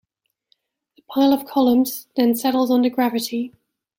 The pile of columns then settles under gravity.